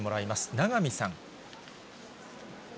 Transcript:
永見さん。